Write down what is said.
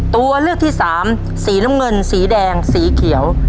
ตัวเลือกที่สามสีน้ำเงินสีแดงสีเขียว